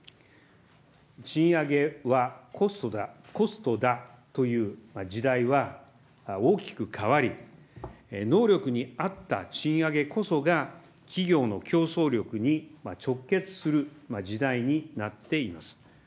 賃上げはコストだという時代は大きく変わり、能力に合った賃上げこそが、企業の競争力に直結する時代になっています。